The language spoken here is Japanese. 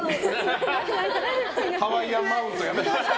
ハワイアンマウントやめてください。